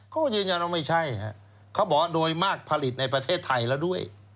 เขาก็ยืนยันว่าไม่ใช่ครับเขาบอกว่าโดยมากผลิตในประเทศไทยแล้วด้วย